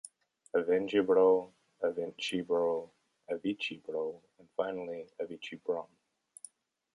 Avengebrol, Avencebrol, Avicebrol, and finally Avicebron.